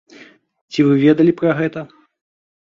Ці вы ведалі пра гэта?